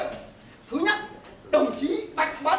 thứ nhất đồng chí bạch bá thình